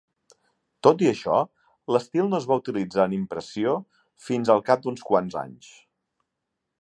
Tot i això, l'estil no es va utilitzar en impressió fins al cap d'uns quants anys.